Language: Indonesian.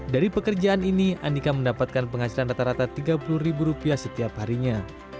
dari pekerjaan ini andika mendapatkan penghasilan rata rata rp tiga puluh setiap harinya